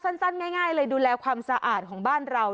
สั้นง่ายเลยดูแลความสะอาดของบ้านเรา